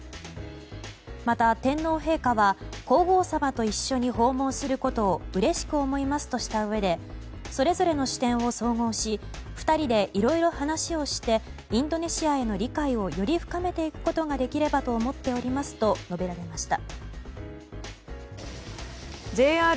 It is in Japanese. また、天皇陛下は皇后さまと一緒に訪問することをうれしく思いますとしたうえでそれぞれの視点を総合し２人でいろいろ話をしてインドネシアへの理解をより深めていくことができればと思っておりますと述べられました。